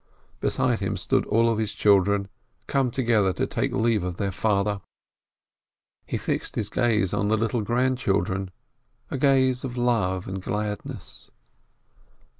Beside him stood all his children, come together to take leave of their father. He fixed his gaze on the little grandchildren, a gaze of love and gladness.